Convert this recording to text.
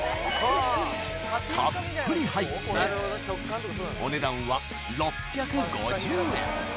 たっぷり入ってお値段は６５０円